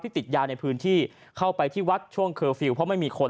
ติดยาในพื้นที่เข้าไปที่วัดช่วงเคอร์ฟิลล์เพราะไม่มีคน